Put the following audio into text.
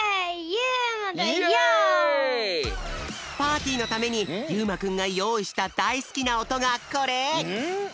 パーティーのためにゆうまくんがよういしただいすきなおとがこれ！